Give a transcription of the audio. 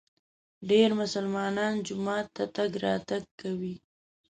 ډېر مسلمانان جومات ته تګ راتګ کوي.